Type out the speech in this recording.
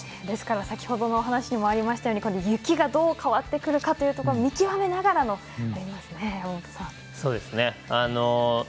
ですから先ほどのお話にありましたように雪がどう変わってくるかというところ見極めながらになりますね。